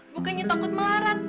bukannya takut melarat